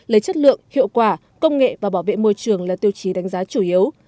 lấy chất lượng hiệu quả công nghệ và bảo vệ môi trường là tiêu chí đánh giá chủ yếu